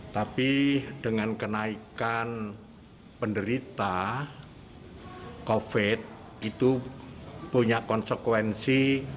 tapi dengan kenaikan penderita covid itu punya konsekuensi